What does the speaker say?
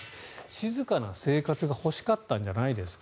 静かな生活が欲しかったんじゃないんですか。